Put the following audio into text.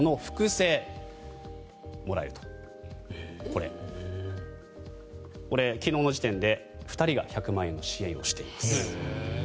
これ昨日の時点で２人が１００万円の支援をしています。